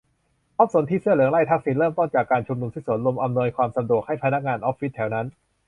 ม็อบสนธิเสื้อเหลืองไล่ทักษิณ เริ่มต้นจากการชุมนุมที่สวนลุม อำนวยความสะดวกให้พนักงานออฟฟิศแถวนั้น